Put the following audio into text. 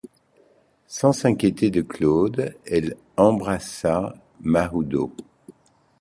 Sans s'inquiéter de Claude, elle embrassa Mahoudeau.